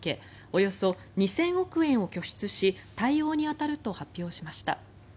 およそ２０００億円を拠出し対応に当たると発表しました。